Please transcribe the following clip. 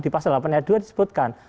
di pasal delapan ayat dua disebutkan